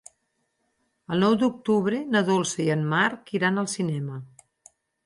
El nou d'octubre na Dolça i en Marc iran al cinema.